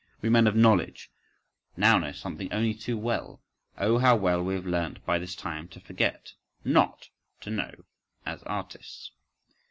… We men of knowledge, now know something only too well: oh how well we have learnt by this time, to forget, not to know, as artists!